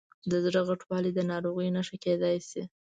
د زړه غټوالی د ناروغۍ نښه کېدای شي.